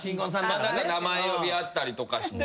名前呼び合ったりとかして。